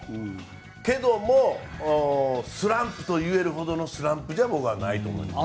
だけどもスランプといえるほどのスランプじゃないと僕は思います。